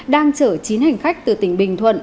đang chở chín hành khách từ tỉnh bình thuận